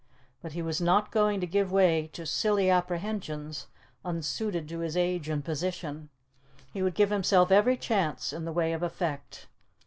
But he was not going to give way to silly apprehensions, unsuited to his age and position; he would give himself every chance in the way of effect.